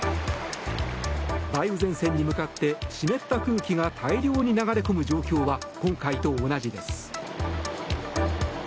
梅雨前線に向かって湿った空気が大量に流れ込む状況は今回と同じです。